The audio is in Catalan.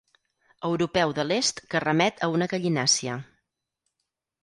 Europeu de l'est que remet a una gallinàcia.